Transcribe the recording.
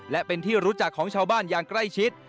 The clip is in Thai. และเป็นที่รู้จักของชาวบ้านอย่างใกล้ชิด